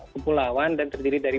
kepulauan dan terdiri dari